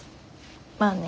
まあね。